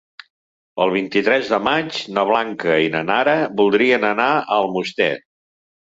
El vint-i-tres de maig na Blanca i na Nara voldrien anar a Almoster.